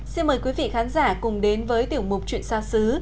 xin mời quý vị khán giả cùng đến với tiểu mục chuyện xa xứ